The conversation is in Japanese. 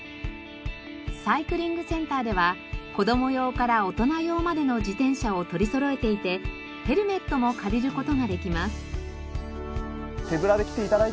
サイクリングセンターでは子ども用から大人用までの自転車を取りそろえていてヘルメットも借りる事ができます。